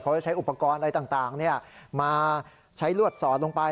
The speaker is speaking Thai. จะใช้อุปกรณ์อะไรต่างมาใช้ลวดสอดลงไป